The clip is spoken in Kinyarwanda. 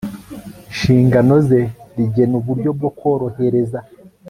nshingano ze rigena uburyo bwo korohereza